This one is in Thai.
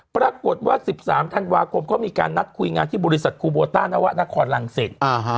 ปรากฏว่า๑๓ธันวาคมเขามีการนัดคุยงานที่บริษัทครูโบต้านวะนครรังสิต